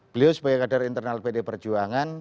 beliau sebagai kader internal pd perjuangan